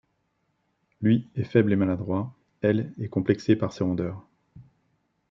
Lui est faible et maladroit, elle est complexée par ses rondeurs.